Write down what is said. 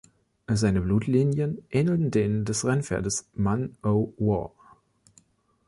Seine Blutlinien ähneln denen des Rennpferdes Man O' War.